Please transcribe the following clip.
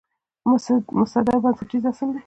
مصدر بنسټیز اصل دئ.